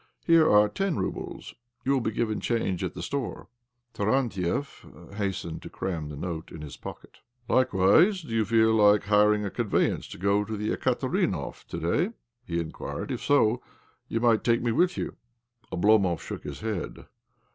" Here are ten roubles. You will be given change at the Store." OBLOMOV 53 Тагалііеѵ hastened to cram' the note into his pocket, " Likewise, do you feel Ике hiring a con veyance and going to the Ekaterinhov to day? " he inquired. " If so, you might take me with you." Oblomov shook his head.